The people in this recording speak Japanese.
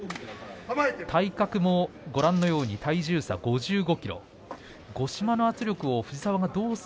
体格もご覧のように体重差が５５ｋｇあります。